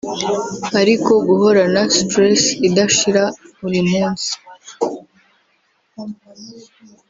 ariko guhorana stress idashira buri munsi